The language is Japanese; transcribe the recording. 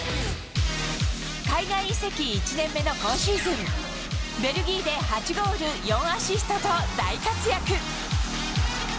海外移籍１年目の今シーズン、ベルギーで８ゴール４アシストと、大活躍。